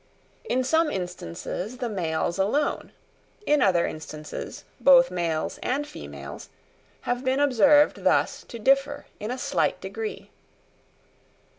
In some instances the males alone, in other instances, both males and females, have been observed thus to differ in a slight degree.